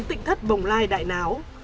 tịnh thất bồng lai đại náo